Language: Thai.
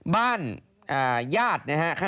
บ้านอย่าดค่ะ